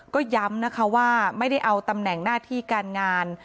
ก็ย้ำนะคะว่าไม่ได้เอาตำแหน่งหน้าที่การงาน